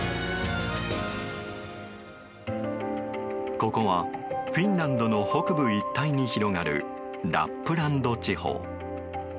ここはフィンランドの北部一帯に広がるラップランド地方。